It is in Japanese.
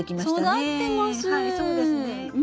はいそうですね。